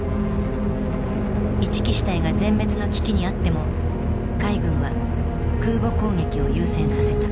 一木支隊が全滅の危機にあっても海軍は空母攻撃を優先させた。